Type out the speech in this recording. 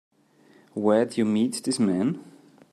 Where'd you meet this man?